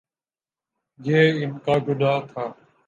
یہ ان کا گناہ تھا۔